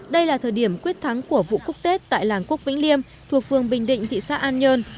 đây là thời điểm quyết thắng của vụ cúc tết tại làng cúc vĩnh liêm thuộc phương bình định thị xã an nhơn